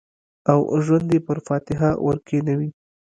او ژوند یې پر فاتحه ورکښېنوی